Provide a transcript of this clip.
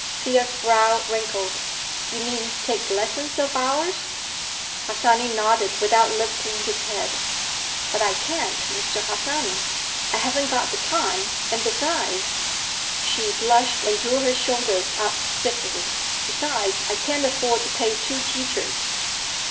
Thea's brow wrinkled. "You mean take lessons of Bowers?" Harsanyi nodded, without lifting his head. "But I can't, Mr. Harsanyi. I haven't got the time, and, besides—" she blushed and drew her shoulders up stiffly—"besides, I can't afford to pay two teachers."